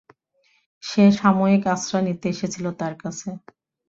সে সাময়িক আশ্রয় নিতে এসেছিল তাঁর কাছে।